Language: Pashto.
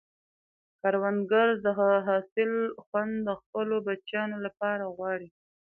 کروندګر د حاصل خوند د خپلو بچیانو لپاره غواړي